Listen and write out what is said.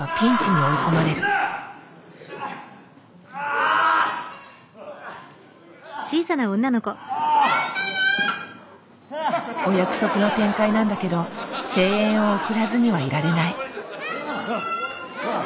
あ！お約束の展開なんだけど声援を送らずにはいられない。